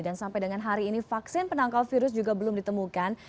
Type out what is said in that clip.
dan sampai dengan hari ini vaksin penangkau virus juga belum ditemukan